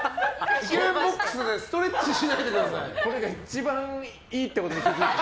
イケメンボックスでストレッチしないでください。